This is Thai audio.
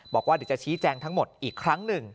บอกว่าเดี๋ยวจะชี้แจงทั้งหมดอีกครั้งหนึ่ง